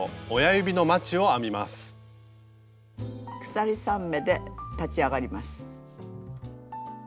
鎖３目で立ち上がります。